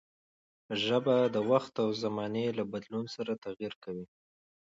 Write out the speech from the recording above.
ژبه د وخت او زمانې له بدلون سره تغير کوي.